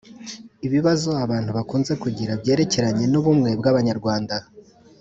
ibibazo abantu bakunze kugira byerekeranye n'ubumwe bw'abanyarwanda.